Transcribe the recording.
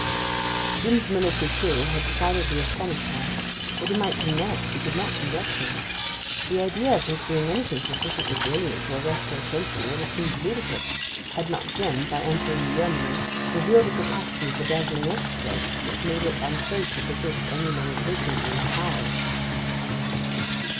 Jim's military coup had decidedly astonished her. What he might do next she could not conjecture. The idea of his doing anything sufficiently brilliant to arrest her attention would have seemed ludicrous, had not Jim, by entering the Yeomanry, revealed a capacity for dazzling exploits which made it unsafe to predict any limitation to his powers.